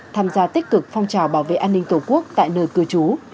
tham gia tích cực phong trào bảo vệ an ninh tổ quốc tại nơi cư trú